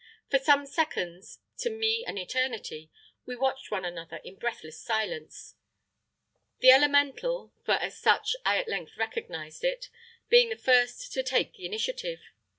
For some seconds to me an eternity we watched one another in breathless silence the Elemental (for as such I at length recognised it) being the first to take the initiative.